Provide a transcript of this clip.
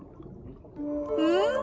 うん？